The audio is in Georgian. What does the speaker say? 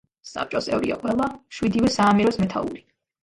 საბჭოს წევრია ყველა, შვიდივე საამიროს მეთაური.